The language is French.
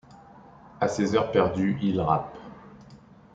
À ses heures perdues, il rappe.